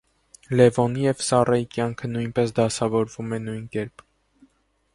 Լևոնի և Սառայի կյանքը նույնպես դասավորվում է նույն կերպ։